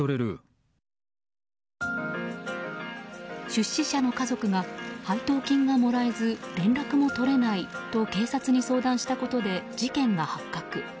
出資者の家族が配当金がもらえず連絡も取れないと警察に相談したことで事件が発覚。